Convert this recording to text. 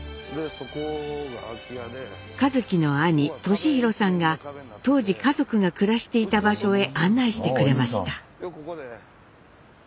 一輝の兄年浩さんが当時家族が暮らしていた場所へ案内してくれました。